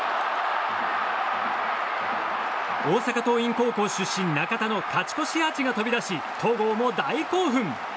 大阪桐蔭高校出身中田の勝ち越しアーチが飛び出し戸郷も大興奮！